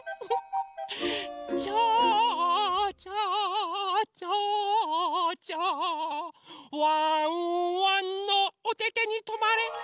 「ちょうちょちょうちょワンワンのおててにとまれ」